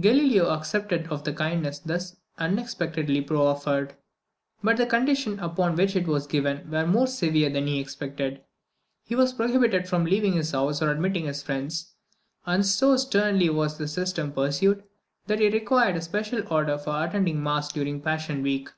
Galileo accepted of the kindness thus unexpectedly proffered. But the conditions upon which it was given were more severe than he expected. He was prohibited from leaving his house or admitting his friends; and so sternly was this system pursued, that he required a special order for attending mass during passion week.